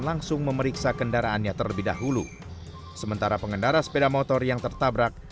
langsung memeriksa kendaraannya terlebih dahulu sementara pengendara sepeda motor yang tertabrak